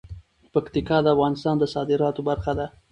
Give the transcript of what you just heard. پکتیکا د افغانستان د صادراتو برخه ده.